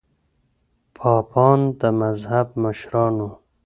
پاپان د مذهب مشران وو.